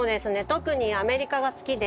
特にアメリカが好きで。